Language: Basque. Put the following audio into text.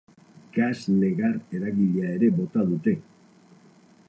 Gas negar-eragilea ere bota dute.